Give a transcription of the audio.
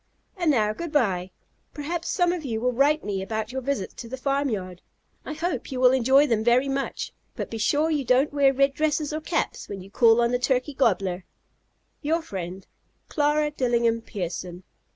And now, good bye! Perhaps some of you will write me about your visits to the farmyard. I hope you will enjoy them very much, but be sure you don't wear red dresses or caps when you call on the Turkey Gobbler. Your friend, CLARA DILLINGHAM PIERSON.